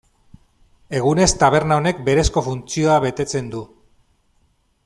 Egunez taberna honek berezko funtzioa betetzen du.